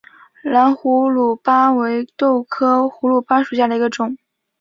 蓝胡卢巴为豆科胡卢巴属下的一个种。